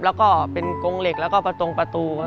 แล้วก็เป็นกงเหล็กแล้วก็ประตงประตู